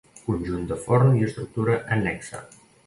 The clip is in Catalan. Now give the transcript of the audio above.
Conjunt de forn i estructura annexa.